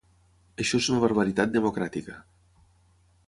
Això és una barbaritat democràtica.